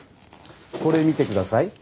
これ見て下さい。